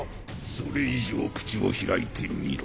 それ以上口を開いてみろ。